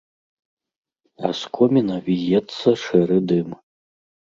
А з коміна віецца шэры дым.